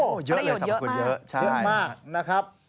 โอ้โหเยอะเลยสำหรับคนเยอะใช่มากนะครับ